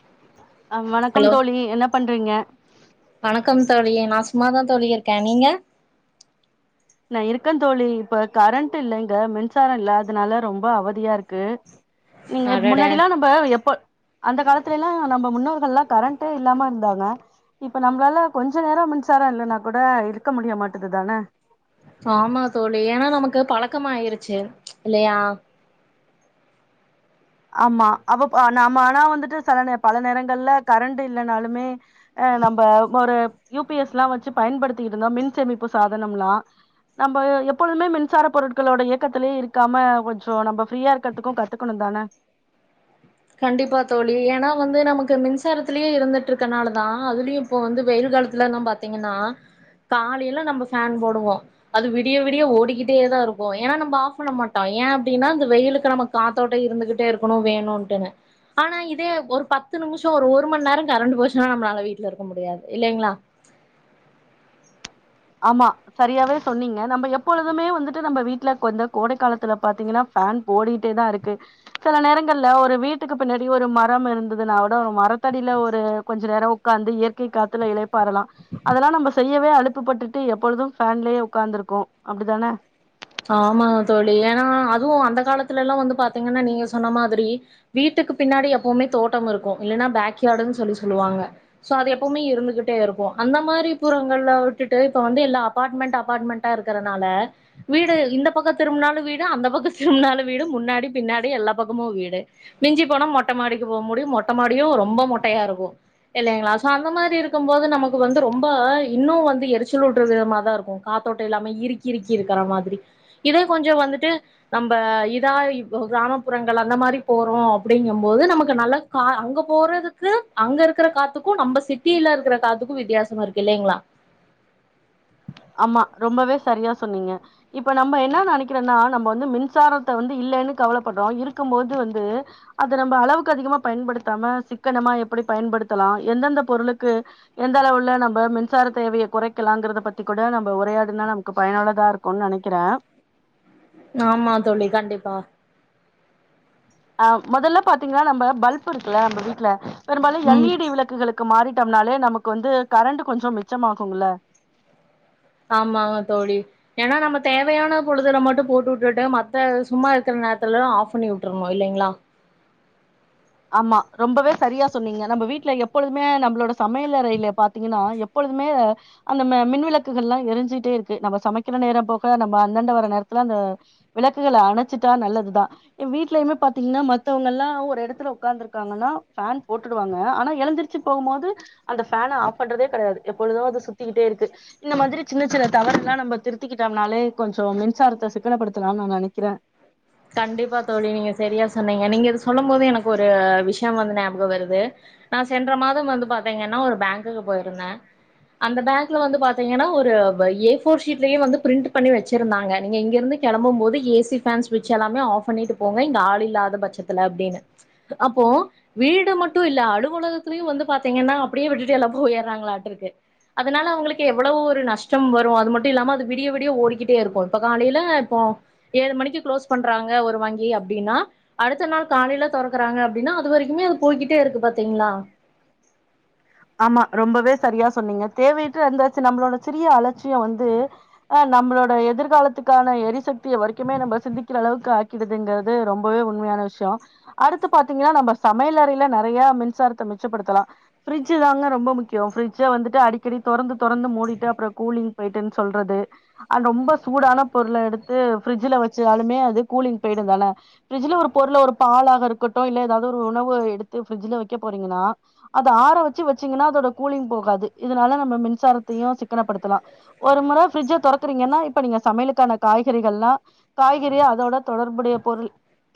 [inaudible] அ வணக்கம் ஹலோ தோழி என்ன பண்றீங்க. தோழியே நான் சும்மாதா தோழிய இருக்க நீங்க நா இருக்க தோழி இப்ப கரண்ட் இல்ல இங்க மின்சாரோ இல்ல அதனால ரொம்ப அவதியா இருக்கு. நீங்க அடட முன்னாடிலா நம்ப எப்ப அந்த காலத்துலலா நம்ம முன்னோர்கள்லா கரண்டே இல்லாம இருந்தாங்க. இப்ப நம்மளால கொஞ்ச நேரோ மின்சாரம் இல்லனா கூட இருக்க முடிய மாட்டது தானே ஆமா தோழி ஏன்னா நமக்கு பழக்கம் ஆயிருச்சு இல்லையா. ஆமா அவ நாம ஆனா வந்துட்டு சில நேர பல நேரங்கள்ல கரண்ட் இல்லைனாலுமே அ நம்ம ஒரு யூ பி எஸ்லா வெச்சு பயன்படுத்திக்கிட்டு இருந்தோ மின் சேமிப்பு சாதனம்லா நம்ம எப்பொழுமே மின்சார பொருட்களோட இயக்கத்தலயே இருக்காம கொஞ்சோ நம்ம ஃப்ரீயா இருக்கிறதுக்கும் கத்துக்கணோ தானே கண்டிப்பா தோழி ஏன்னா வந்து நமக்கு மின்சாரத்துலேயே இருந்துட்டு இருக்கனாலதா அதுலயும் இப்போ வந்து வெயில் காலத்துல நான் பாார்த்தீங்கன்னா காலையில நம்ம ஃபேன் போடுவோ அது விடிய விடிய ஓடிக்கிட்டேதா இருக்குகோ. ஏன்னா நம்ம ஆஃப் பண்ண மாட்டோம். ஏன் அப்படின்னா இந்தந்த வெயிலுக்கு நம்ம காத்தோட்ட இருந்துகிட்டே இருக்கணோ வேணும்ட்டுன்னு ஆனா இதே ஒரு பத்து நிமிஷோ ஒரு ஒரு மணி நேரோ கரண்ட் போச்சுன்னா நம்மளால வீட்ல இருக்க முடியாது. இல்லைங்களா ஆமா சரியாவே சொன்னீங்க நம்ம எப்பொழுதுமே வந்துட்டு நம்ம வீட்ல கொந்த கோடை காலத்துல பாத்தீங்கன்னா ஃபேன் போடிட்டேதா இருக்கு சில நேரங்கள்ல ஒரு வீட்டுக்கு பின்னாடி ஒரு மரோ இருந்துதுனாஓட ஒரு மரத்தடியில ஒரு கொஞ்சோ நேரோ ஒக்காந்து இயற்கை காத்துல இளைப்பாரலா அதெல்லா நம்ம செய்யவே அளுப்புப்பட்டு ட்டு எப்பொழுதும் ஃன்லேயே ஒக்காந்துருக்கோ அப்டிதானே ஆமாங்க தோழி ஏன்னா அதுவோ அந்த காலத்துலலா வந்து பாத்தீங்கன்னா நீங்க சொன்ன மாதிரி வீட்டுக்கு பின்னாடி எப்பவுமே தோட்டம் இருக்கோ இல்லன்னா பேக்யார்டுன்னு சொல்லி சொல்லுவாங்க சோ அது எப்பவுமே இருந்துகிட்டே இருக்கோ அந்த மாரி புறங்கள்ல விட்டுட்டு இப்ப வந்து எல்லா அபார்ட்மெண்ட் அபார்ட்மெண்டா இருக்கறனால வீடு இந்த பக்கம் திரும்புனாலோ வீடு அந்த பக்கம் திரும்புனாலோ வீடு முன்னாடி பின்னாடி எல்லா பக்கமோ வீடு மிஞ்சி போனா மொட்ட மாடிக்கு போக முடியோ மொட்ட மாடியோ ரொம்ப மொட்டையா இருக்கோ இல்லைங்களா சோ அந்த மாதிரி இருக்கும் போது நமக்கு வந்து ரொம்ப இன்னோ வந்து எரிச்சல்லூட்டுற விதமாதா இருக்கோ காத்தோட்ட இல்லாம இறுக்கி இறுக்கி இருக் இருக்கிற மாதிரி இதே கொஞ்சோ வந்துட்டு நம்ம இதா இ கிராமப்புறங்கள் அந்த மாதிரி போறோ அப்படிங்கும் போது நமக்கு நல்ல கா அங்க போறதுக்கு அங்க இருக்குற காத்துக்கு நம்ம சிட்டியில இருக்கிற காத்துக்கு வித்தியாசமா இருக்கு இல்லைங்களா ஆமா ரொம்பவே சரியா சொன்னீங்க இப்ப நம்ம என்ன நெனைக்கிறோனா நம்ம வ மின்சாரத்தை வந்து இல்லன்னு கவலைப்படுறோம் இருக்கும் போது வந்து அத நம்ம அளவுக்கு அதிகமா பயன்படுத்தாம சிக்கனமா எப்படி பயன்படுத்தலாம் எந்தெந்த பொருக்கு எந்த அளவுல நம்ம மின்சார தேவைய குறைக்கலாம்ங்கறபத் தி கூட நம்ம உரையாடுனா நமக்கு பயனுள்ளதா இருக்கோனு நெனைக்குறே ஆமா தோழி கண்டிப்பா அ முதல்ல பாத்தீங்கன்னா நம்ம பல்பு இருக்குல நம்ம வீட்டுல பெரும்பாலோ ம் எல் இ டி விளக்குகளுக் க்கு மாறிட்டோம்னாலே நமக்கு வந்து கரண்ட் கொஞ்சோ மிச்சமாகும்ல ஆமாங்க தோழி ஏன்னா நம்ம தேவையான பொழுதுர மட்டும் போட்டு விட்டுட்டு மத்த சும்மா இருக்குற நேரத்துலல்லா ஆஃப் பண்ணி விட்ரணோ இல்லைங்களா ஆமா ரொம்பவே சரியா சொன்னீங்க நம்ம வீட்ல எப்பொழுதுமே நம்மளோட சமையல் அறையில பாத்தீங்கன்னா எப்பொழுதுமே அந்த ம மின் விளக்குகள்லா எரிஞ்சிட்டே இருக்கு நம்ம சமைக்கிற நேரம் போக நம்ம அந்தாண்ட வர்ர நேரத்துல அந்த விளக்குகள அணச்சுட்டா நல்லதுதா வீட்லயுமே பாத்தீங்கன்னா மத்தவங்கலா ஒரு எடத்துல உக் உக்காந்துருக்காங்கன்னா ஃபேன் போட்டுடுவாங்க ஆனா எழுந்திரச்சு போகும்போது அந்த ஃபேன ஆப் பண்றதே கெடையாது எப்பொழுது அது சுத்திக்கிட்டே இருக்கு இந்த மாதிரி சின்ன சின்ன தவறுகளெல்லா நம்ம திருத்திக்கிட்டோம்னாலே கொஞ்சோ மின்சாரத்த சிக்கனப்படுத்தலானு நா நெனைக்கிறே கண்டிப்பா தோழி நீங்க சரியா சொன்னீங்க நீங்க இது சொல்லும்போது எனக்கு ஒரு விஷ்ய வந்து ஞாபக வருது நா சென்ற மாத வந்து பாத்தீங்கன்னா ஒரு பேங்க்குக்கு போயிருந்தே அந்த பேங்க்ல வந்து பாத்தீங்கன்னா ஒரு ஏ ஃபோர்ஷீட்லயே வந்து பிரண்ட் பண்ணி வச்சிருந்தாங்க நீங்க இங்கிருந்து கெளம்பும்போது ஏசி ஃபேன் ஸ் விட்ச்செல்லாமே ஆஃப் பண்ணிட்டு போங்க இங்க ஆள் இல்லாத பட்சத்துல அப்டின்னு அப்போ வீடு மட்டு இல்ல அலுவலகத்திலையு வந்து பாத்தீங்கன்னா அப்படியே விட்டு எல்லா போயிறாங்களாங்காட்டு இருக்கு அதனால அவங்களுக்கு எவ்வளவு ஒரு நஷ்ட வரு அது மட்டுமில்லாம அது விடிய விடிய ஓடிக்கிட்டே இருக்கு இப்ப காலையில இப்போ ஏழு மணிக்கு க்ளோஸ் பண்றாங்க ஒரு வங்கி அப்டின்னா அடுத்த நாள் காலையில தொறக்குறாங்க அப்டின்னா அது வரைக்குமே அது போய்கிட்டே இருக்கு பாத்தீங்களா ஆமா ரொம்பவே சரியா சொன்னீங்க தேவையற்று இருந்தாச்சு நம்மளோட சிறிய அலட்சிய வந்து ஆ நம்மளோட எதிர்காலத்துக்கான எரிசக்திய வரைக்குமே நம்ம சிந்திக்கிற அளவுக்கு ஆக்கிடுதுங்கிறது ரொம்பவே உண்மையான விஷ்ய அடுத்து பாத்தீங்கன்னா நம்ப சமையலறையில நெறைய மின்சாரத்த மிச்சப்படுத்தலா ஃப்ரிட்ஜ்தாங்க ரொம்ப முக்கிய ஃப்ரிட்ஜ வந்துட்டு அடிக்கடி தொறந்து தொறந்து மூடிட்டு அப்பற கூலிங் போயி்ட்டுன்னு சொல்றது அண்ட் ரொம்ப சூடான பொருள எடுத்து ஃப்ரிட்ஜில வச்சாலுமே அது கூலிங் போய்டு தானே ஃப்ரிட்ஜல ஒரு பொருள ஒரு பாலாக இருக்கட்டு இல்ல எதாவது ஒரு உணவுவகை எடுத்து ஃப்ரிட்ஜில வைக்க போறீங்கன்னா அத் அத ஆற வச்சு வச்சிங்கன்னா அதோட கூலிங் போகாது இதனால நம்ம மின்சாரத்தையு சிக்கனப்படுதலா ஒரு முற ஃப்ரிட்ஜ் தொறத்துறீங்கன்னா இப்ப நீங்க சமையலுக்கான காய்கறிகள்லா காய்கறி அதோட தொடர்புடைய பொருள்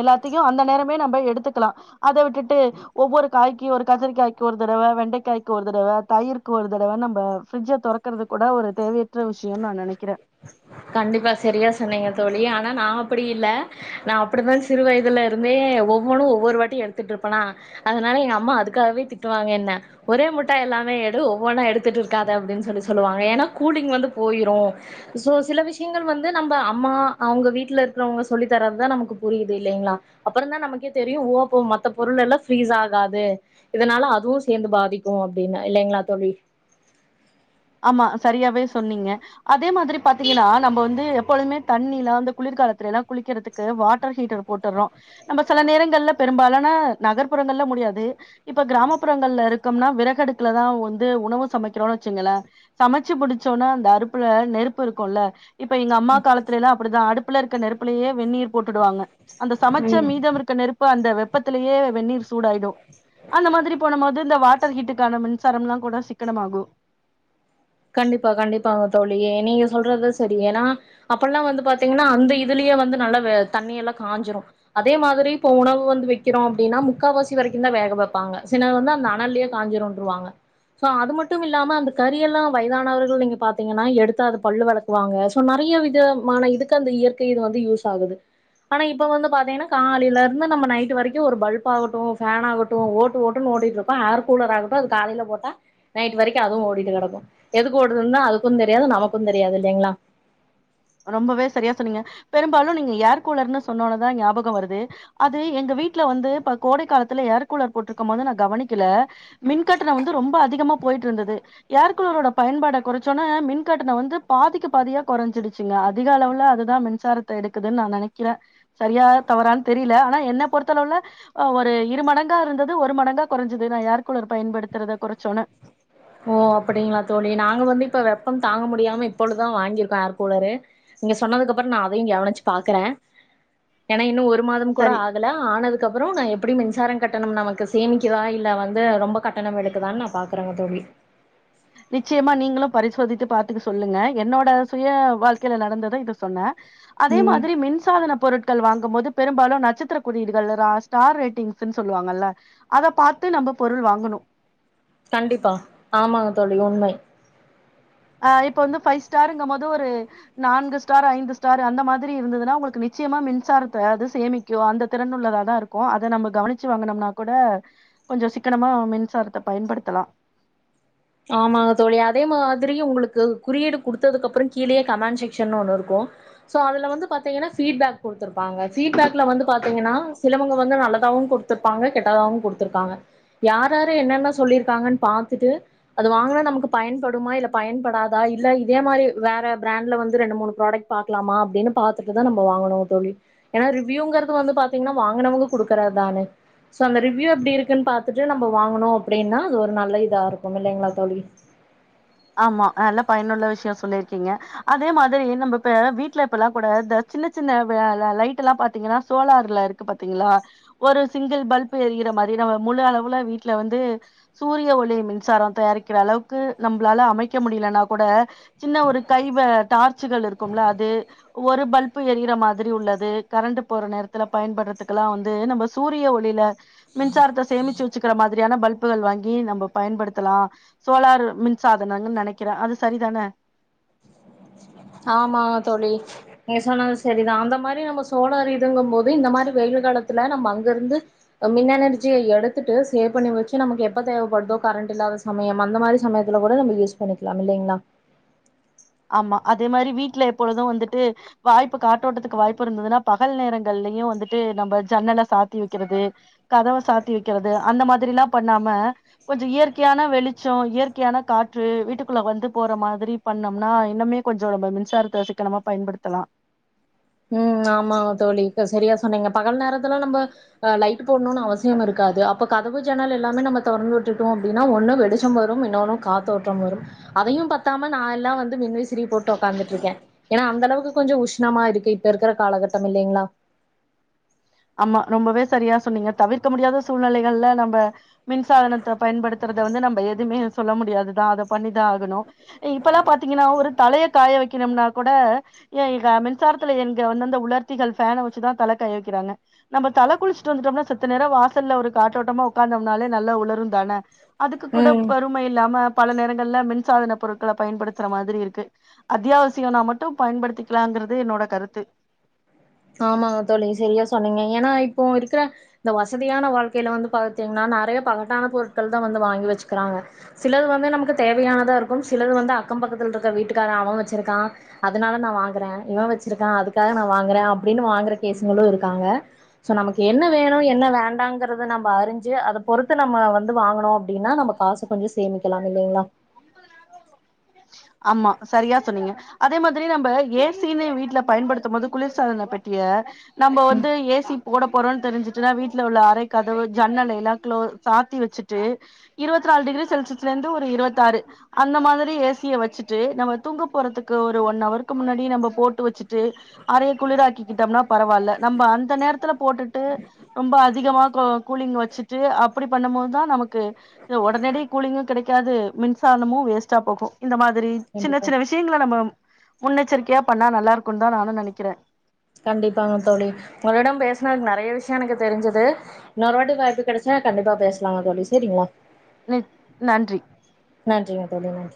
எல்லாத்தியு அந்த நேரமே நம்ப எடுத்துக்கலா அத விட்டுட்டு ஒவ்வொரு காய்க்கு ஒரு கத்திரிகாய்க் கு ஒரு தடவ வெண்டைக்காய்க்கு ஒரு தடவ தயிருக்கு ஒரு தடவ நம்ப ஃப்ரட்ஜ தொக்கறதுக்கூட ஒரு தேவையற்ற விஷயன்னு நா நெனைக்கிறே கண்டிப்பா செரியா சொன்னீங்க தோழி ஆனா நா அப்படி இல்ல நா அப்டிதா சிறு வயதுலருந்தே ஒவ்வொன்னு ஒவ்வொரு வாட்டி எடுத்துட்டுருப்பன்னா அதனால எங்க அம்மா அதுக்காகவே திட்டுவாங்க என்ன ஒரே முட்டா எல்லாமே எடு ஒவ்வொன்னா எடுத்துட்டுருக்காத அப்டின்னு சொல்லி சொல்லுவாங்க ஏன்னா கூலிங் வந்து போயிரு சோ சில விஷயங்கள் வந்து நம்ப அம்மா அவங்க வீட்டுல இருக்குறவங்க சொல்லித்தரதுதா நமக்கு புரியுது இல்லைங்களா அப்பற தா நமக்கே தெரியு ஓ அப்போ மத்த பொருளெல்லா ஃப்ரீஸ் ஆகாது இதனால அதுவு சேந்து பாதிக்கு அப்டின்னு இல்லைங்களா தோழி ஆமா சரியாவே சொன்னீங்க அதே மாதிரி பாத்தீங்கன்னா நம்ம வந்து எப்பொழுமே தண்ணிலா அந்த குளிர்காலத்துல எல்லா குளிக்கிறதுக்கு வாட்டர் ஹீட்டர் போட்டுறோ நம்ப சில நேரங்கள் ங்கள்ல பெரும்பாலான நகர்புறங்கள்ல முடியாது இப்ப கிராமப்புறங்கள்ல இருக்கம்னா விரகடுக்குல தா வந்து உணவு சமைக்கிறோனு வச்சுங்களே சமைச்சு முடிச்சோனா அந்த அடுப்புல நெருப்பு இருக்குல இப்ப எங்க அம்மா காலத்துலைலா அப்புடி தா அடுப் உள்ள இருக்குற நெருப்புலயே வெந்நீர் போட்டுடுவாங்க அந்த சமைச்ச ம் மீதமிருக்க நெருப்பு அந்த வெப்பத்திலயே வெந்நீர் சூடாயிடு அந்த மாதிரி போன போது இந்த வாட் ட்டர் ஹீட்டுக்கான மின்சாரம்லா கூட சிக்கனமாகு கண்டிப்பா கண்டிப்பாங்க தோழி நீங்க சொல்றது செரி ஏன்னா அப்பல்லா வந்து பாத்தீங்கனா அந்த இதுலயே வந்து நல்லா வ தண்ணியெல்லா காஞ்சிரு அதே மாதிரி இப்ப உணவு வந்து வைக்கிறோ அப்டின்னா முக்காவாசி வரைக்கு தா வேக வப்பாங்க சிலது வந்து அந்த அனல்லயே காஞ்சிருன்றுவாங்க சோ அது மட்டுமில்லாம அந்த கறியெல்லா வயதானவர்கள் நீங்க பாத்தீங்கன்னா எடுத்து அத பல்லு விளக்குவாங்க சோ நெறைய விதமான இதுக்கு அந்த இயற்கை இது வந்து யூஸ் ஆகுது ஆனா இப்ப வந்து பாத்தீங்கனா காலையில இருந்து நம்ம நைட் வரைக்கு ஒரு பல்ப் ஆகட்டு ஃபேன் ஆகட்டு ஓட்டு ஓட்டுன்னு ஓடிட்டு இருப்போ ஏர் கூலர் ஆகட்டு அது காலையில போட்டா நைட் வரைக்கு அதுவு ஓடிட்டுக்கெடக்கு எதுக்கு ஓடுதுன்னா அதுக்கு தெரியாது நமக்கு தெரியாது இல்லேங்களா ரொம்பவே செரியா சொன்னீங்க பெரும்பாலு நீங்க ஏர் கூலர்ன்னு சொன்னோன தா ஞாபக வருது அது எங்க வீட்ல வந்து இப்ப கோடை காலத்துல ஏர் கூலர் போட்டுருக்கும்போது நா கவனிக்கல மின்கட்டண வந்து ரொம்ப அதிகமா போயிட்டுருந்தது ஏர்கூலரோட பயன்பாட கொறைச்சோன்னே மின்கட்டண வந்து பாதிக்கு பாதியா கொறைஞ்சிடுச் சிங்க அதிக அளவுல அதுதா மின்சாரத்த எடுக்குதுன்னு நா நெனைக்கிறே சரியா தவறான்னு தெரியில ஆனா என்ன பொறுத்தளவுல ஒரு இரு மடங்கா இருந்தது ஒரு மடங்கா கொறஞ்சது நா ஏர் கூலர் பயன்படுத்துறத கொறச்சோன்ன ஓ அப்படிங்களா தோழி நாங்க வந்து இப்ப வெப்ப தாங்க முடியாம இப்பொழுதுதா வாங்கியிருக்கோ ஏர் கூலரு நீங்க சொன்னதுக்கு அப்பற நா அதையு கவனிச்சு பாக்குறே ஏன்னா இன்னு ஒரு ரு மாத கூட சரி ஆகல ஆனதுக் அதுகப்பற நா எப்புடி மின்சார கட்டணம் நமக்கு சேமிக்கிதா இல்ல வந்து ரொம்ப கட்டண இழுக்கு தானு நா பாக் [unintelligible] தோழி நிச்சியமா நீங்களு பரிசோதித்து பாத்துக்கு சொல்லுங்க என்னோட சுய வாழ்கையில நடந்தத இத சொன்ன அதே ம் மாதிரி மின்சாதன பொருட்கள் வாங் கும்போது பெரும்பாலு நட்சத்திர குறியீடுகள் ரா ஸ்டார் ரேட்டிங்ஸ்ன்னு சொல்லுவாங்கள அத பாத்து நம்ப பொருள் வாங்கணு கண்டிப்பா ஆமாங்க தோழி உண்மை ஆ இப்ப வந்து ஃபைவ் ஸ்டாருங்கும்போது ஒரு நான்கு ஸ்டார் ஐந்து ஸ்டார் அந்த மாதிரி இருந்துதுன்னா உங்களுக்கு நிச்சியமா மின்சாரத்த அது சேமிக்கு அந்த திறன்னுள்ளதா தா இருக்கு அத நம்ம கவனிச்சு வாங்குனம்னா கூட கொஞ்ச சிக்கனமா மின்சாரத்த பயன்படுத்தலா ஆமாங்க தோழி அதே மாதிரி உங்களுக்கு குறியீடு குடுத்ததுக்கப்பற கீழேயே கமண்ட் செக்ஷன்னு ஒன்னு இருக்கு சோ அதுல வந்து பாத்தீங்கன்னா ஃபீட்பேக் குடுத்துருப்பாங்க ஃபீட்பேக்ல வந்து பாத்தீங்கன்னா சிலவங்க வந்து நல்லதாவு குடுத்திருப்பாங்க கெட்டதாவு குடுத்துருக்காங்க யாராரு என்னென்ன சொல்லிருக்காங்கன்னு பாத்துட்டு அது வாங்குனா நமக்கு பயன்படுமா இல்ல பயன்படாதா இல்ல இதே மாரி வேற ப்ராண்ட்ல வந்து ரெண்டு மூணு ப்ராடக்ட் பாக்கலாமா அப்டின்னு பாத்துட்டுதா நம்ப வாங்கணு தோழி ஏன்னா ரிவ்யூங்கிறது வந்து பாத்தீங்கன்னா வாங்கனவங்க குடுக்குறதுதானே சோ அந்த ரிவ்யூ எப்டி இருக்குன்னு பாத்துட்டு நம்ம வாங்கனோ அப்டின்னா அது ஒரு நல்ல இதா இருக்கு க்குமில்லைங்களா தோழி ஆமா நல்லா பயனுள்ள விஷய சொல்லியிருக்கீங்க அதே மாதிரி நம்ம இப்ப வீட்ல இப்பெல்லா கூட த சின்ன சின்ன வ லைட்டெல்லா பாத்தீங்கன்னா சோலார்ல இருக்கு பாத்தீங்களா ஒரு சிங்கிள் பல்ப் எறியிற மாரி நம்ம முழு அளவுல வீட்ல வந்து சூரிய ஒளி மின்சார தயாரிக்கிறளவுக்கு நம் மளால அமைக்க முடியலனா கூட சின்ன ஒரு கை வ டார்ச்சுகள் இருக்கும்முல அது ஒரு பல்பு எறியிற மாதிரி உள்ளது கரண்டு போற நேரத்தில பயன்படுறத்துக்கெல்லா வந்து நம்ப சூரிய ஒளியில மின்சாரத்த சேமிச்சு வச்சுக்கிற மாதிரியான பல்புகள் வாங்கி நம்ப பயன்படுத்தலா சோலார் மின் சாதனாங்கன்னு நெனைக்கிற அது சரிதான ஆமா தோழி நீங்க சொன்னது செரிதா அந்த மாரி நம்ம சோலார் இதுங்கும் போது இந்த மாரி வெயில் காலத்துல நம்ம அங்கருந்து மின் எனர்ஜியே எடுத்துட்டு சேவ் பண்ணி வச்சு நமக்கு எப்ப தேவைப்படுதோ கரண்ட் இல்லாத சமயம் அந்த மாரி சமயத்துல கூட நம்ம யூஸ் பண்ணிக்கலா இல்லேங்களா ஆமா அதே மாரி வீட்ல எப்பொழுது வந்துட்டு வாய்ப்பு காற்றோட்டத்துக்கு வாய்ப்பு இருந்ததுன்னா பகல் நேரங்கள்லயு வந்துட்டு நம்ம ஜன்னல சாத்தி வைக்கிறது கதவ சாத்தி வைக்கிறது அந்த மாதிரில்லா பண்ணாம கொஞ்ச இயற்கையான வெளிச்ச இயற்கையான காற்று வீட்டுக்குள்ளே வந்து போற மாதிரி பண் ணா இன்னுமே கொஞ்ச நம்ம மின்சாரத்தே சிக்கனமா பயன்படுத்தலா உம் ஆமா தோழி இப்ப சரியா சொன்னீங்க பகல் நேரத்துல நம்ம லைட் போடணுனு அவசியமிருக்காது அப்போ கதவு ஜன்னல் எல்லாமே நம்ம தெறந்து விட்டுட்டோம்னா அப்புடின்னா ஒண்ணு வெளிச்சம் வரும் இன்னொன்னு காத்தோட்டம் வரும் அதையும் பத்தாம நா எல்லா வந்து மின்விசிறி போட்டு உட்காந்துட்டு இருக்கே ஏன்னா அந்த அளவுக்கு கொஞ்ச உஷ்ணமா இருக்கு இப்ப இருக்கிற காலகட்டம் இல்லேங்களா ஆமா ரொம்பவே சரியா சொன்னீங்க தவிர்க்க முடியாத சூழ்நிலைகள்ல நம்ப மின்சாதனத்த பயன்படுத்துறத வந்து நம்ம எதுவுமே சொல்ல முடியாதுதா அத பண்ணித ஆகணு இப்பெல்ல பாத்தீங்கன்னா ஒரு தலய காய வெனக்கணும்னா கூட ஏ க மின்சாரத்துல எங்க வந்தந்த உலர்த்திகள் பேனை வச்சுத தல காய வைக்கிறாங்க நம்ப தல குளிச்சுட்டு வந்துட்டோம்னா செத்த நேர வாசல்ல ஒரு காற்றோட்டமா உட்காந்தம்னாலே நல்ல உளரு தானே அதுக்கு கூட ம் பொறுமை இல்லாம பல நேரங்கள்ல மின் சாதன பொருட்களே பயன்படுத்துற மாதிரி இருக்கு அத்தியாவசியனா மட்டு பயன்படுத்திக்கலாங்கிறது என்னோட கருத்து ஆமாங்க தோழி சேரியா சொன்னீங்க ஏன்னா இப்போ இருக்கிற இந்த வசதியான வாழ்க்கையில வந்து பாத்தீங்கனா நெறய பகட்டான பொருட்கள் தா வந்து வாங்கி வச்சுக்கிறாங்க சிலது வந்து நமக்கு தேவையானதா இருக்கு சிலது வந்து அக்கம் பக்கத்துல இருக்குற வீட்டுக்காரன் அவன் வச்சிருக்கான் அதனால நா வாங்குறே இவன் வச்சிருக்கா அதுக்காக நா வாங்குறே அப்புடின்னு வாங்குற கேசுங்களு இருக்காங்க சோ நமக்கு என்ன வேணு என்ன வேண்டாங்கறத நம்ப அறிஞ்சு அத பொறுத்து நம்ம வந்து வாங்கணு அப்புடின்னா நம்ம காசே கொஞ்ச சேமிக்கலா இல்லேங்களா ஆமா சரியா சொன்னீங்க அதே மாதிரி நம்ம ஏசி னே வீட்டுல பயன்படுத்து போது குளிர்சாதன பெட்டியே நம்ம ம் வந்து ஏசி போட தெரிஞ்சா வீட்டல உள்ள அரை கதவு ஜன்னலல்லாம் க்ளொ சாத்தி வச்சட்டு இருத்தி நாலு டிகிரி செல்சியல இருந்து ஒரு இருபத்த ஆறு அந்த மாதிரி ிய வச்சுட்டு நம்ம தூங்க போறதுக்கு ஒரு ஒன் அவஹருக்கு முன்னாடி நம்ம போட்டு வச்சுட்டு அறைய குளிரக்கிக்கிட்டோம்னா பரவாயில்ல நம்ம அந்த நேரத்துல போட்டுட்டு ரொம்ப அதிகமா கூலிங் வச்சுட்டு அப்படி பண்ணும் போோதுதான் நமக்கு உடனடிய கூலிங்கும் கிடைக்காது மின்சாரமும் வேஸ்ட்டா போகும் இந்த மாதிரி சின்ன கண்டிப்பா சின்ன விஷயங்கள நம்ம முன்னெச்சரிக்கியா பண்ணா நல்லா இருக்குன் தா நானு நெனைக்கிறே கண்டிப்பாங்க தோழி உங்களிடம் பேஸ்னது நெறைய விஷ்யோ எனக்கு தெரி்ஞ்சது இன்னொரு வாட்டி வாய்ப்பு கெடச்சா கண்டிப்பா பேஸ்லாங்க தோழி செரிங்களா நி நன்றி நன்றிங்க தோழி நன்